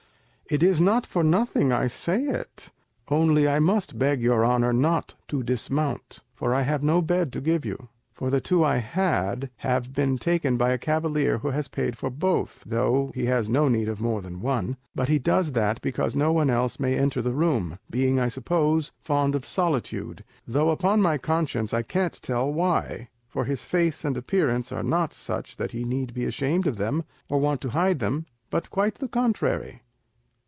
"It is not for nothing I say it. Only I must beg your honour not to dismount, for I have no bed to give you; for the two I had have been taken by a cavalier who has paid for both, though he has no need of more than one; but he does that because no one else may enter the room, being, I suppose, fond of solitude; though upon my conscience I can't tell why, for his face and appearance are not such that he need be ashamed of them or want to hide them, but quite the contrary."